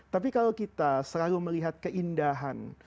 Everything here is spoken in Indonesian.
tapi kalau kita selalu melihat keindahan